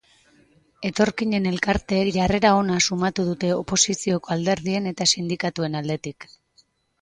Etorkinen elkarteek jarrera ona sumatu dute oposizioko alderdien eta sindikatuen aldetik.